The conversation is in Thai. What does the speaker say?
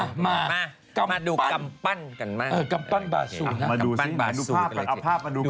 อ่ามามามาดูกำปั้นกันมาเออกำปั้นบาสูมาดูสิดูภาพกันดูกัน